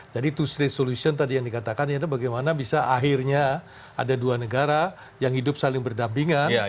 jadi two state solution tadi yang dikatakan itu bagaimana bisa akhirnya ada dua negara yang hidup saling berdampingan